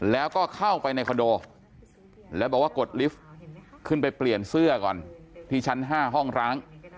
แล้วก็เข้าไปในคอนโดแล้วบอกว่ากดลิฟต์ขึ้นไปเปลี่ยนเสื้อก่อนที่ชั้น๕ห้องร้าง